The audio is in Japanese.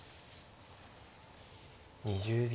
２０秒。